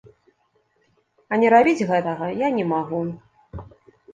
А не рабіць гэтага я не магу.